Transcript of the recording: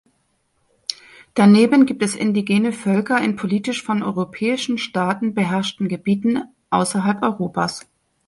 Daneben gibt es indigene Völker in politisch von europäischen Staaten beherrschten Gebieten außerhalb Europas.